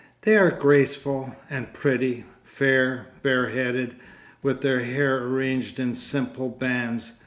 They are graceful and pretty, fair, bare headed, with their hair arranged in simple bands.